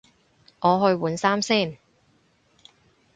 我去換衫先